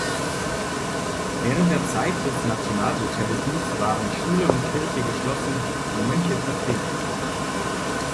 Während der Zeit des Nationalsozialismus waren Schule und Kirche geschlossen, die Mönche vertrieben.